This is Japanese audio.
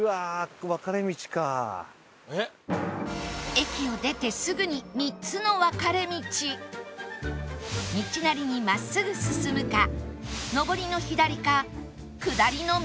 駅を出てすぐに道なりに真っすぐ進むか上りの左か下りの右か